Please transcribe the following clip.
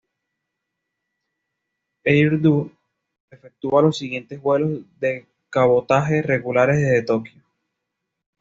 Air Do efectúa los siguientes vuelos de cabotaje regulares desde Tokio.